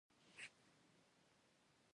اوس یې د کانګو ډیموکراټیک جمهوریت په نوم یادوي.